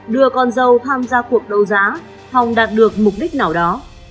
đưa con dâu tham gia cuộc đấu giá hòng đạt được mục đích nào đó